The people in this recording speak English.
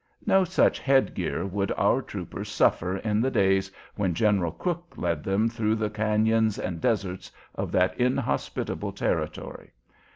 No such head gear would our troopers suffer in the days when General Crook led them through the cañons and deserts of that inhospitable Territory.